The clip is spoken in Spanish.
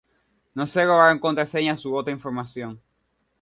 No se robaron contraseñas u otra información.